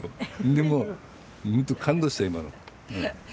でも本当感動した今の。